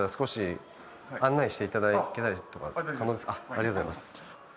ありがとうございます。